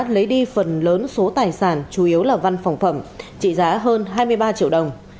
lấy đi phần lớn số tài sản chủ yếu là văn phòng phẩm trị giá hơn hai mươi ba triệu đồng